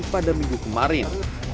pada minggu kemarin